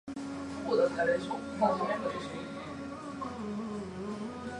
秋田県大潟村